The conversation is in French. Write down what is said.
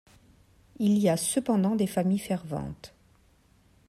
Il y a cependant des familles ferventes.